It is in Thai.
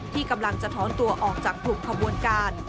ที่กำลังจะถอนตัวออกจากกลุ่มขบวนการ